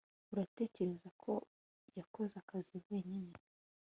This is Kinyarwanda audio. uratekereza ko yakoze akazi wenyine